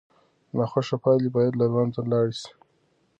ناخوښه پایلې باید له منځه لاړې سي.